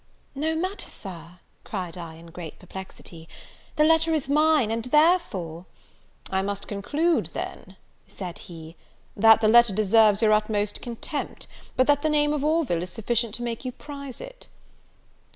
"No matter, Sir," cried I, in great perplexity, "the letter is mine, and therefore " "I must conclude, then," said he, "that the letter deserves your utmost contempt, but that the name of Orville is sufficient to make you prize it."